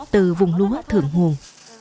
từ vùng lúa thượng nguồn